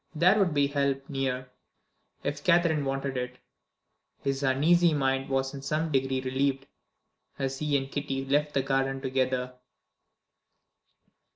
There would be help near, if Catherine wanted it. His uneasy mind was in some degree relieved, as he and Kitty left the garden together.